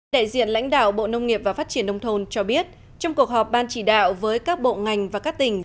đại diện lãnh đạo bộ nông nghiệp và phát triển nông thôn cho biết trong cuộc họp ban chỉ đạo với các bộ ngành và các tỉnh